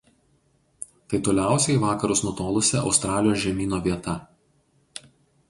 Tai toliausiai į vakarus nutolusi Australijos žemyno vieta.